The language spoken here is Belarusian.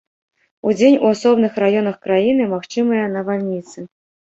Удзень у асобных раёнах краіны магчымыя навальніцы.